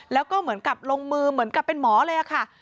แล้วก็เหมือนกับลงมือเหมือนกับเป็นหมอเลยค่ะ